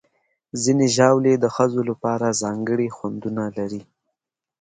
ځینې ژاولې د ښځو لپاره ځانګړي خوندونه لري.